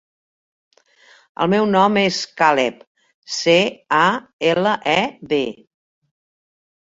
El meu nom és Caleb: ce, a, ela, e, be.